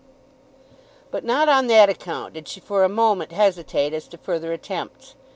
But not on that account did she for a moment hesitate as to further attempts.